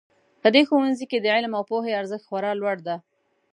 په دې ښوونځي کې د علم او پوهې ارزښت خورا لوړ ده